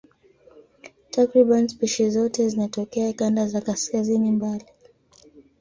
Takriban spishi zote zinatokea kanda za kaskazini mbali.